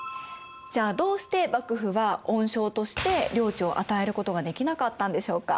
じゃあどうして幕府は恩賞として領地を与えることができなかったんでしょうか？